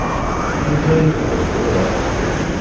Amek ara yexdem tura?